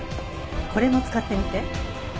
これも使ってみて。